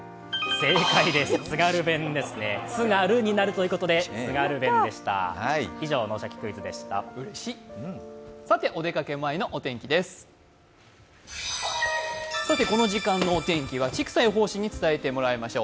正解です、「つ」が「る」になるということで津軽弁でした。